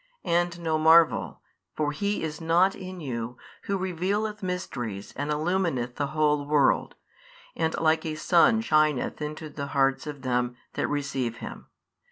And no marvel: for He is not in you Who revealeth mysteries and illumineth the whole world, and like a sun shineth into the hearts of them that receive Him.